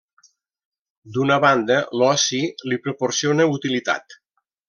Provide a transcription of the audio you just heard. D'una banda, l'oci li proporciona utilitat.